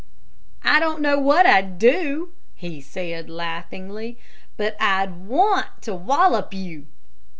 "I don't know what I'd do" he said, laughingly; "but I'd want to wallop you."